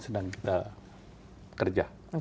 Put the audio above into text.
senang kita kerja